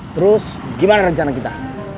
terus gimana rencana kita